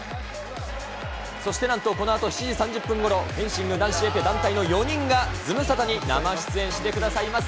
そして、なんとこのあと７時３０分ごろ、フェンシング男子エペ団体の４人がズムサタに生出演してくださいます。